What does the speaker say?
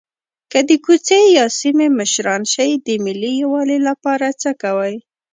که د کوڅې یا سیمې مشران شئ د ملي یووالي لپاره څه کوئ.